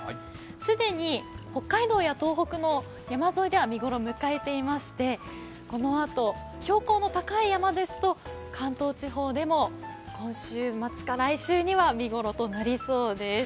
既に北海道や東北の山沿いでは見頃を迎えていまして、このあと、標高の高い山ですと関東地方でも今週末か来週には見頃となりそうです。